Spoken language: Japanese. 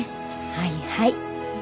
はいはい。